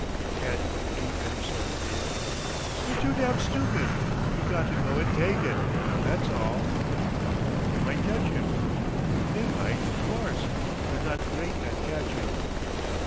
"Can't you do any sort of deal?" "They're too damned stupid. You've got to go and take it. That's all." "They might catch you." "They might, of course. But they're not great at catching."